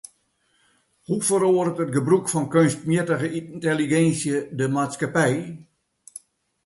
Hoe feroaret it gebrûk fan keunstmjittige yntelliginsje de maatskippij?